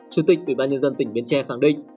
chủ tịch ủy ban nhân dân tỉnh bến tre khẳng định